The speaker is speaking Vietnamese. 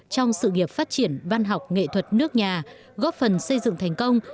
trong sự nghiệp phát triển văn học nghệ thuật nước nhà góp phần xây dựng thành công